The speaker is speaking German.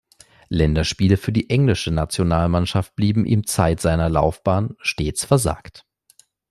Länderspiele für die englische Nationalmannschaft blieben ihm Zeit seiner Laufbahn stets versagt.